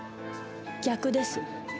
逆です。